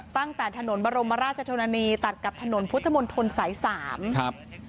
ตั้งแต่ถนนบรมราชทรนานีตัดกับถนนพุทธมนต์ทนสาย๓